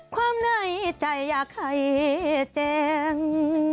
ความเหนื่อยใจอยากให้แจ้ง